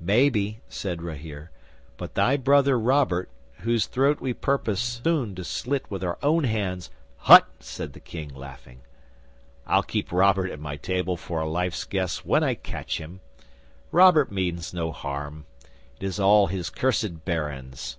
'"Maybe," said Rahere, "but thy Brother Robert, whose throat we purpose soon to slit with our own hands " '"Hutt!" said the King, laughing. "I'll keep Robert at my table for a life's guest when I catch him. Robert means no harm. It is all his cursed barons."